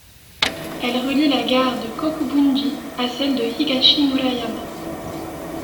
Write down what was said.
Elle relie la gare de Kokubunji à celle de Higashi-Murayama.